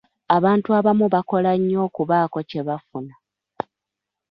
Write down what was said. Abantu abamu bakola nnyo okubaako kye bafuna.